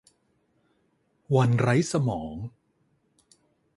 วันไร้สมอง